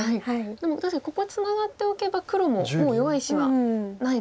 でも確かにここツナがっておけば黒ももう弱い石はないですか。